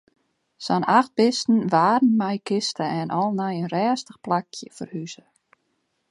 Sa'n acht bisten waarden mei kiste en al nei in rêstich plakje ferhuze.